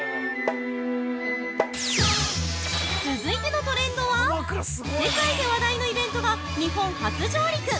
続いてのトレンドは世界で話題のイベントが日本初上陸！